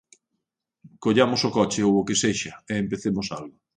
Collamos o coche, ou o que sexa, e empecemos algo.